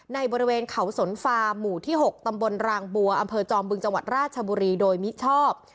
บริเวณเขาสนฟาร์หมู่ที่๖ตำบลรางบัวอำเภอจอมบึงจังหวัดราชบุรีโดยมิชอบ